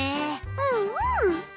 うんうん。